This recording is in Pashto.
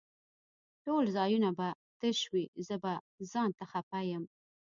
ټول ځايونه به تش وي زه به ځانته خپه يم